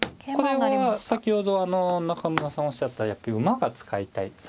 これは先ほど中村さんおっしゃったやっぱり馬が使いたい。